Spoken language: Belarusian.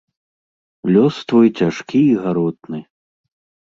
Лёс твой цяжкі і гаротны!